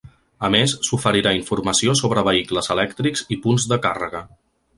A més, s’oferirà informació sobre vehicles elèctrics i punts de càrrega.